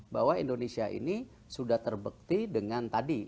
bahwa indonesia ini sudah terbukti dengan tadi